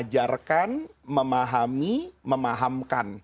mengajarkan memahami memahamkan